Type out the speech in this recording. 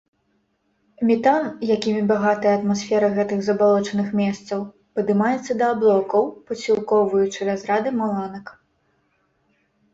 Метан, якімі багатая атмасфера гэтых забалочаных месцаў, падымаецца да аблокаў, падсілкоўваючы разрады маланак.